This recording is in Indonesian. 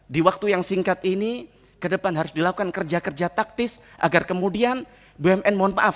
di waktu yang singkat ini ke depan harus dilakukan kerja kerja taktis agar kemudian bumn mohon maaf